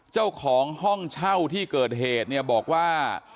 เจ้าของห้องเช่าที่เกิดเหตุเนี่ยบอกว่า